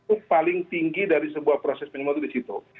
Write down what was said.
itu paling tinggi dari sebuah proses penyelamat di situ